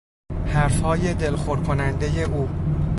حرفهای دلخور کنندهی او